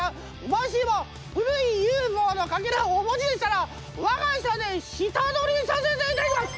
もしも古いＵＦＯのかけらをお持ちでしたら我が社で下取りさせていただきます！